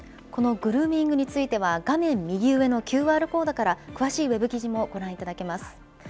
このグルーミングについては、画面右上のＱＲコードから、詳しいウェブ記事もご覧いただけます。